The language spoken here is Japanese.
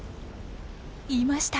いました。